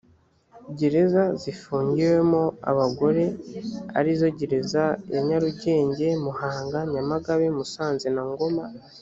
gereza zifungiwemo abagore arizo gereza ya nyarugenge muhanga nyamagabe musanze na ngoma